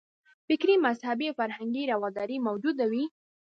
فکري، مذهبي او فرهنګي رواداري موجوده وي.